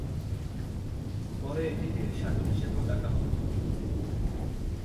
পরে এটিকে শাটল হিসেবেও ডাকা হত।